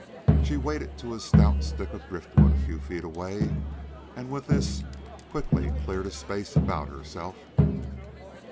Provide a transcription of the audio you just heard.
She waded to a stout stick of driftwood a few feet away, and with this quickly cleared a space about herself.